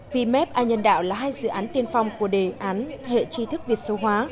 vmep a nhân đạo là hai dự án tiên phong của đề án hệ tri thức việt số hóa